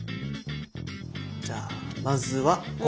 じゃあまずはここ！